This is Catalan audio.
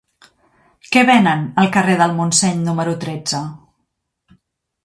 Què venen al carrer del Montseny número tretze?